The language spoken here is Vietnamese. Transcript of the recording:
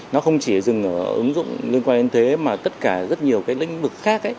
nó không chỉ dừng ở ứng dụng liên quan đến thuế mà tất cả rất nhiều cái lĩnh vực khác ấy